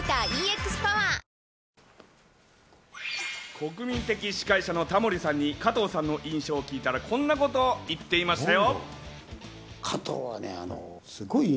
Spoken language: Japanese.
国民的司会者のタモリさんに加藤さんの印象を聞いたら、こんなことを言ってましたよ。